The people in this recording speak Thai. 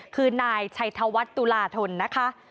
คือนายชัยธวัฒน์ตุลาธนนะคะ